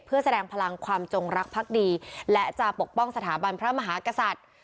เพื่อแสดงพลังความจงรักพักดีและจะปกป้องสถาบันพระมหากษัตริย์